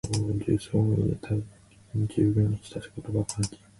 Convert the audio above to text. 重曹を入れた液にじゅうぶんに浸すことが肝要。